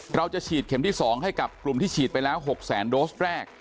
เราจะฉีดเข็มที่๒ให้กับกลุ่มที่ฉีดไปแล้ว๖แสนโดสแรก